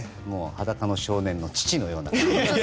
「裸の少年」の父のような。